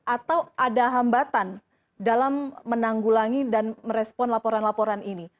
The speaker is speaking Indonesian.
atau ada hambatan dalam menanggulangi dan merespon laporan laporan ini